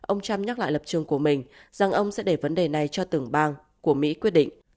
ông trump nhắc lại lập trường của mình rằng ông sẽ để vấn đề này cho từng bang của mỹ quyết định